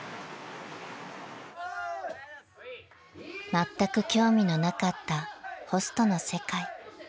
［まったく興味のなかったホストの世界］